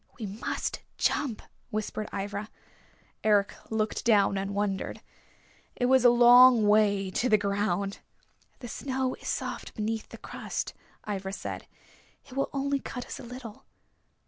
"We must jump," whispered Ivra. Eric looked down, and wondered. It was a long way to the ground! "The snow is soft beneath the crust," Ivra said. "It will only cut us a little."